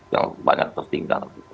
yang banyak tertinggal